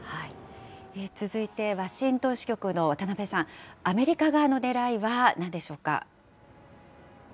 続いてワシントン支局の渡辺さん、アメリカ側のねらいはなんでしょうか。